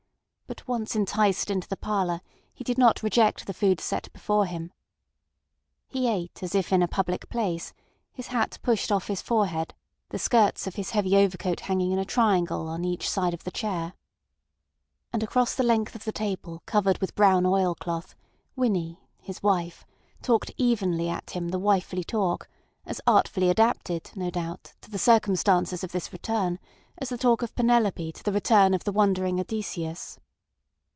But once enticed into the parlour he did not reject the food set before him. He ate as if in a public place, his hat pushed off his forehead, the skirts of his heavy overcoat hanging in a triangle on each side of the chair. And across the length of the table covered with brown oil cloth Winnie, his wife, talked evenly at him the wifely talk, as artfully adapted, no doubt, to the circumstances of this return as the talk of Penelope to the return of the wandering Odysseus.